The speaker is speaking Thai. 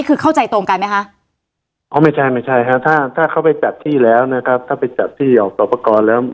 เข้าใจตรงกันไหมคะไม่ใช่ถ้าเข้าไปจัดที่แล้วนะครับถ้าไปจัดที่ออกสอปอกอแล้ว